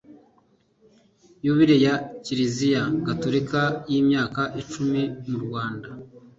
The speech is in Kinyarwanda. yubile ya kiliziya gatolika y'imyaka icumi mu rwanda